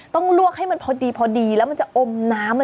ต้องลวกให้พอดีและจะอมน้ำ